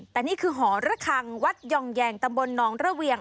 แต่นี่คือหอระคังวัดยองแยงตำบลหนองระเวียง